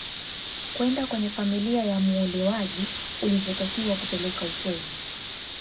kwenda kwenye familia ya muolewaji ulivyotakiwa kupeleka ukweni